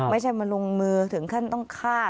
ไม่ใช่มาลงมือถึงขั้นต้องฆ่า